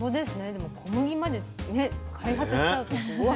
でも小麦までね開発しちゃうってすごい。